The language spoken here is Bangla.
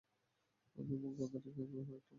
আমি মুখ বন্ধ রেখে তোমার একটা উপকার করেছি।